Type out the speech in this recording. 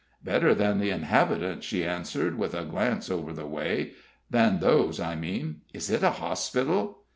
"Better than the inhabitants," she answered, with a glance over the way. "Than those, I mean. Is it a hospital?"